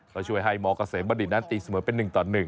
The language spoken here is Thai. ก็ช่วยให้มเกษมบัณฑิตนั้นตีเสมอเป็น๑ต่อ๑